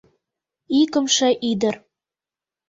Икымше ӱдыр.